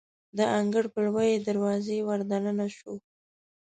د انګړ په لویې دروازې وردننه شوو.